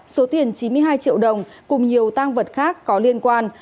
số tiền chín mươi hai triệu đồng cùng nhiều tăng vật khác có liên quan